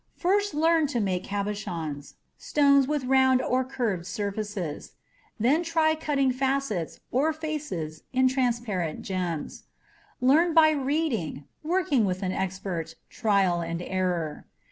First learn to make cabochons stones with round or curved surfaces. Then try cutting facets (or faces) in transparent gems. Learn by reading, working with an expert, trial and error.